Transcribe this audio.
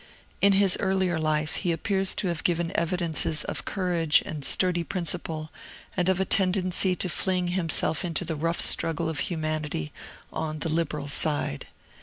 In his earlier life, he appears to have given evidences of courage and sturdy principle, and of a tendency to fling himself into the rough struggle of humanity on the liberal side.